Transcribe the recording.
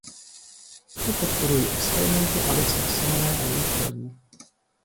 To podporují experimenty Alice Isenové a jejích kolegů.